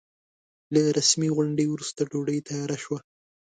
له رسمي غونډې وروسته ډوډۍ تياره شوه.